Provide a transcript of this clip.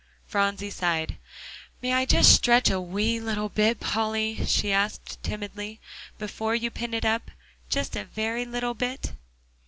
Phronsie sighed. "May I just stretch a wee little bit, Polly," she asked timidly, "before you pin it up? Just a very little bit?"